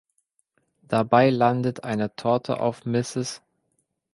Dabei landet eine Torte auf Mrs.